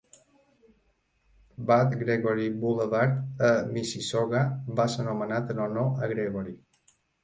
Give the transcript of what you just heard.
Bud Gregory Boulevard, a Mississauga, va ser nomenat en honor a Gregory.